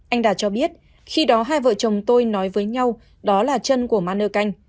anh đạt cho biết khi đó hai vợ chồng tôi nói với nhau đó là chân của mano canh